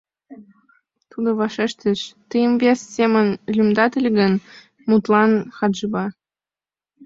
Тудо вашештыш: тыйым вес семын лӱмдат ыле гын, мутлан, Хадшиба!